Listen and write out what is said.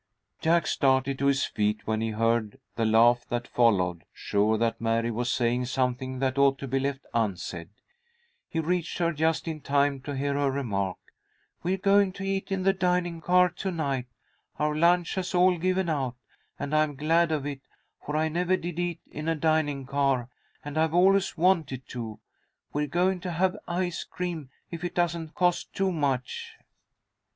Jack started to his feet when he heard the laugh that followed, sure that Mary was saying something that ought to be left unsaid. He reached her just in time to hear her remark, "We're going to eat in the dining car to night. Our lunch has all given out, and I'm glad of it, for I never did eat in a dining car, and I've always wanted to. We're going to have ice cream, if it doesn't cost too much."